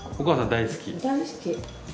大好き。